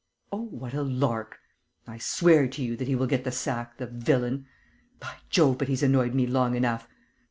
Oh, what a lark! I swear to you that he will get the sack, the villain! By Jove, but he's annoyed me long enough!